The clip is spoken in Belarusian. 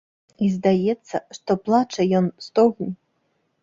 І здаецца, што плача ён, стогне.